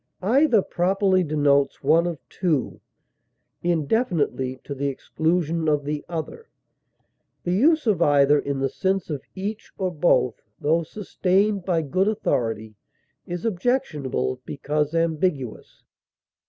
Either properly denotes one of two, indefinitely, to the exclusion of the other. The use of either in the sense of each or both, tho sustained by good authority, is objectionable because ambiguous.